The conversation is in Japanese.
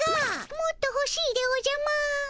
もっとほしいでおじゃマーン。